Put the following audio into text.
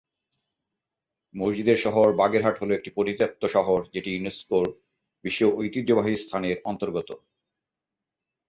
মসজিদের শহর বাগেরহাট হল একটি পরিত্যক্ত শহর, যেটি ইউনেস্কোর বিশ্ব ঐতিহ্যবাহী স্থানের অন্তর্গত।